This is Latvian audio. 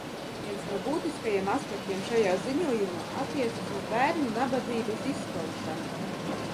Viens no būtiskajiem aspektiem šajā ziņojumā attiecas uz bērnu nabadzības izskaušanu.